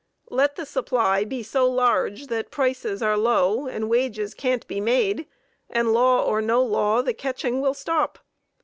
Let the supply be so large that prices are low and wages can't be made, and law or no law, the catching will stop.